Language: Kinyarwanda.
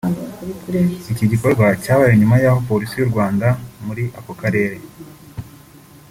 Iki gikorwa cyabaye nyuma y’aho Polisi y’u Rwanda muri ako karere